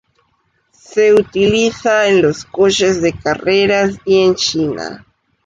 Se utiliza en los coches de carreras y en China.